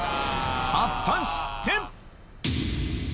果たして？